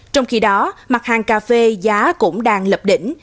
trong khi đó mặt hàng cà phê giá cũng đang lập đỉnh